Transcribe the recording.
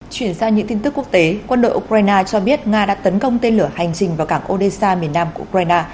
chuyển sang những tin tức quốc tế quân đội ukraine cho biết nga đã tấn công tên lửa hành trình vào cảng odessa miền nam của ukraine